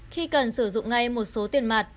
khi cần sử dụng ngay một số tiền mặt